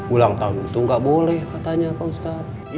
ulang tahun itu gak boleh katanya pausah